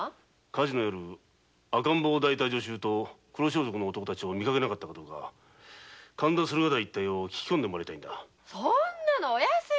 火事の夜赤ん坊を抱いた女囚と黒装束の男たちを見なかったか神田一帯を聞き込んでもらいたいんだ。